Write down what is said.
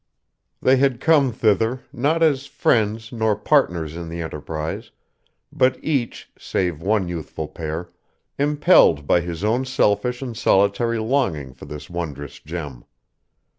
They had come thither, not as friends nor partners in the enterprise, but each, save one youthful pair, impelled by his own selfish and solitary longing for this wondrous gem.